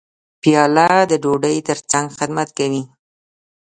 پیاله د ډوډۍ ترڅنګ خدمت کوي.